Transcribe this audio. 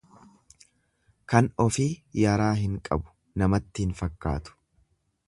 Kan ofii yaraa hin qabu namatti hin fakkaatu.